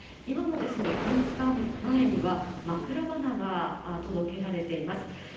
今も玄関前には枕花が届けられています。